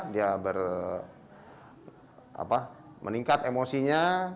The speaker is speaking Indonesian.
dia meningkat emosinya